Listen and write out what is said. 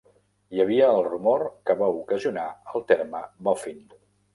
Hi havia el rumor que va ocasionar el terme "boffin".